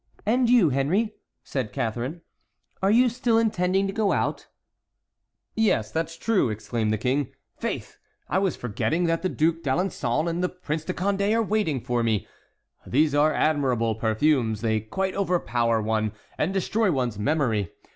"And you, Henry," said Catharine, "are you still intending to go out?" "Yes, that's true," exclaimed the king. "Faith, I was forgetting that the Duc d'Alençon and the Prince de Condé are waiting for me! These are admirable perfumes; they quite overpower one, and destroy one's memory.